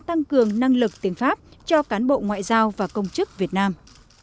tăng cường năng lực tiếng pháp cho cán bộ ngoại giao và công chức việt nam